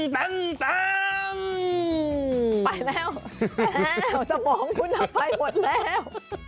ไปแล้วแล้วสมองคุณไปหมดแล้ว